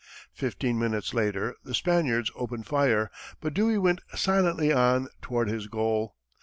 Fifteen minutes later, the Spaniards opened fire, but Dewey went silently on toward his goal.